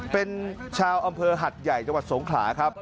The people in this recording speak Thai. เป็นชาวอำเภอหัดใหญ่จังหวัดสงขลาครับ